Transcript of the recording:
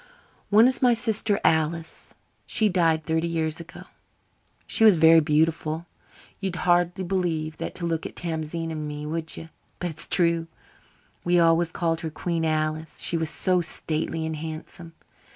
One is my sister Alice. She died thirty years ago. She was very beautiful. You'd hardly believe that to look at Tamzine and me, would you? But it is true. We always called her Queen Alice she was so stately and handsome.